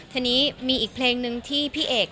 ทีนี้มีอีกเพลงหนึ่งที่พี่เอก